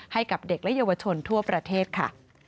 ให้กับเด็กและเยาวชนทั่วประเทศค่ะ